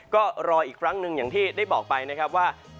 ก็รออีกครั้งหนึ่งอย่างที่ได้บอกไปนะครับว่า